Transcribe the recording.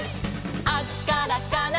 「あっちからかな」